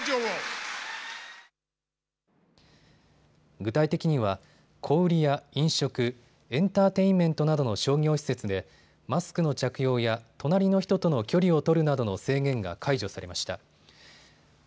具体的には小売りや飲食、エンターテインメントなどの商業施設でマスクの着用や隣りの人との距離を取るなどの制限が解除されました。